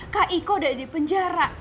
kak iko udah di penjara